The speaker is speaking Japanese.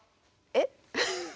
えっ？